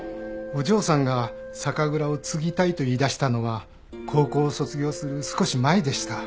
お嬢さんが酒蔵を継ぎたいと言い出したのは高校を卒業する少し前でした。